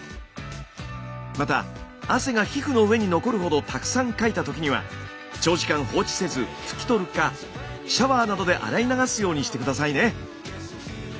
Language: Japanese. また汗が皮膚の上に残るほどたくさんかいたときには長時間放置せず拭き取るかシャワーなどで洗い流すようにして下さいね。